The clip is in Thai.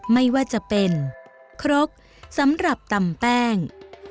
ไม่ว่าจะเป็นครกสำหรับตำแป้ง